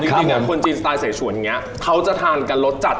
จริงเนี่ยคนจีนสไตล์เสชวนเนี่ยเค้าจะทานกันรสจัด